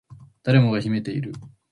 誰もが秘めている